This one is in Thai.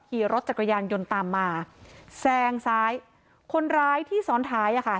ขี่รถจักรยานยนต์ตามมาแซงซ้ายคนร้ายที่ซ้อนท้ายอ่ะค่ะ